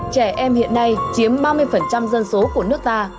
trẻ em hiện nay chiếm ba mươi dân số của nước ta